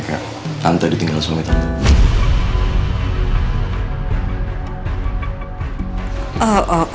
kayak tante ditinggal sebelumnya tante